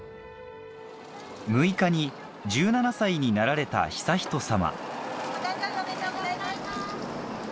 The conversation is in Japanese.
６日に１７歳になられた悠仁さま